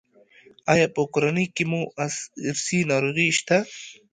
ایا په کورنۍ کې مو ارثي ناروغي شته؟